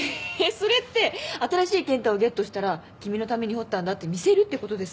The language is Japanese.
それって新しいケンタをゲットしたら「君のために彫ったんだ」って見せるってことですか？